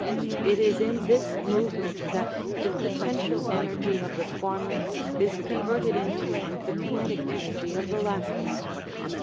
It is in this movement that the potential energy of the former is converted into the kinetic energy of the latter.